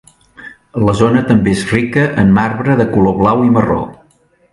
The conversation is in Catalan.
La zona també és rica en marbre de color blau i marró.